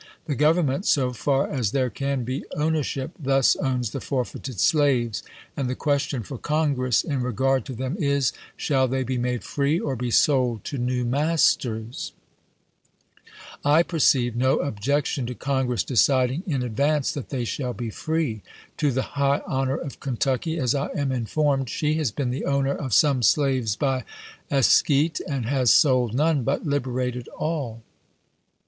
The Govern ment, so far as there can be ownership, thus owns the forfeited slaves, and the question for Congress in regard to them is, " Shall they be made free, or be sold to new masters ?" I perceive no objection to Congress deciding in advance that they shall be free. To the high honor of Kentucky, as I am informed, she has been the owner of some slaves by escheat, and has sold none, but liberated all.